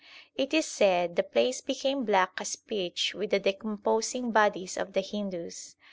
It is said the place became black as pitch with the decomposing bodies of the Hindus.